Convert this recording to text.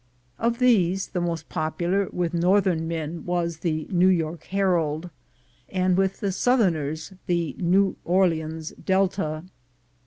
Of these the most popular with northern men was the New York Herald, and with the southerners the New Orleans Delta.